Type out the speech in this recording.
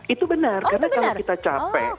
itu benar karena kalau kita capek